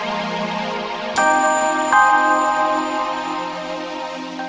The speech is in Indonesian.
kau tidak akan menempatkan